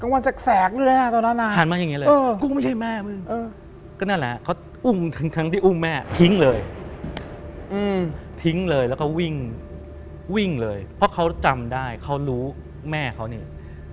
วิ่งวิ่งเลยเพราะเขาจำได้เขารู้แม่เขาเนี่ย